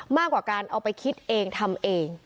มากกว่าการเอาไปคิดเองทำเอง